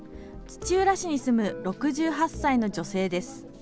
土浦市に住む６８歳の女性です。